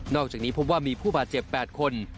อกจากนี้พบว่ามีผู้บาดเจ็บ๘คน